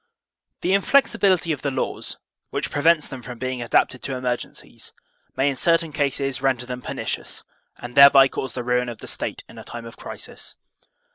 The inflexibility of the laws, which prevents them from being adapted to emergencies, may in certain cases ren der them pernicious, and thereby cause the ruin of the State in a time of crisis.